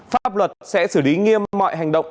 pháp luật sẽ xử lý nghiêm mọi hành động